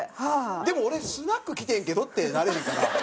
でも俺スナック来てんけどってなれへんかな？